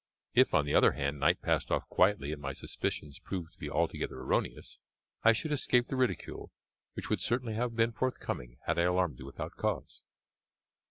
If, on the other hand, night passed off quietly and my suspicions proved to be altogether erroneous, I should escape the ridicule which would certainly have been forthcoming had I alarmed you without cause."